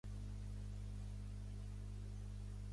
Què venen al carrer de Julián Besteiro número noranta-tres?